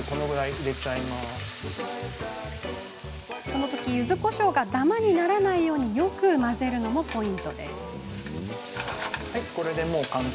このゆずこしょうがダマにならないようよく混ぜるのもポイントです。